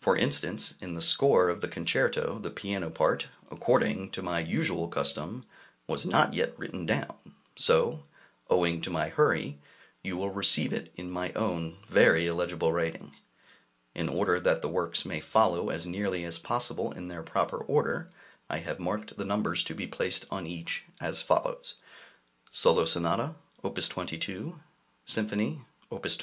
For instance, in the score of the concerto, the piano part, according to my usual custom, was not yet written down; so, owing to my hurry, you will receive it in my own very illegible writing. In order that the works may follow as nearly as possible in their proper order, I have marked the numbers to be placed on each, as follows: Solo Sonata, Op. 22. Symphony, Op. 21.